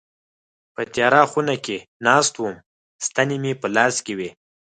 په تياره خونه کي ناست وم ستني مي په لاس کي وي.